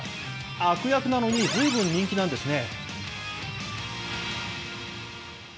悪役なのにずいぶん人気なんですね。